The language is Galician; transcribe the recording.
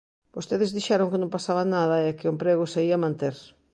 Vostedes dixeron que non pasaba nada e que o emprego se ía manter.